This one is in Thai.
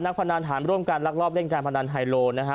นักพนันหารร่วมการรักรอบเล่นการพนันไฮโลกันนะฮะ